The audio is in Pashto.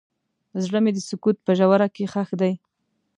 زړه مې د سکوت په ژوره کې ښخ دی.